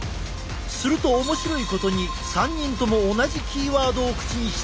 すると面白いことに３人とも同じキーワードを口にした。